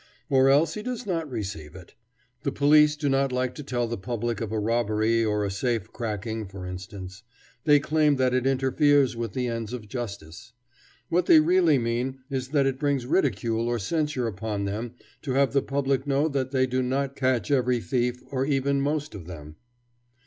Or else he does not receive it. The police do not like to tell the public of a robbery or a safe "cracking," for instance. They claim that it interferes with the ends of justice. What they really mean is that it brings ridicule or censure upon them to have the public know that they do not catch every thief, or even most of them.